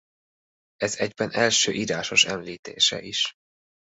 Ez egyben első írásos említése is.